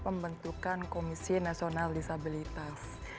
pembentukan komisi nasional disabilitas